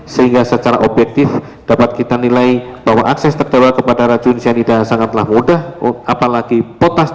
sehingga secara objektif dapat kita nilai bahwa akses terdakwa kepada racun cyanida sangatlah mudah apalagi